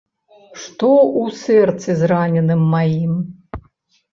Што ў сэрцы зраненым маім.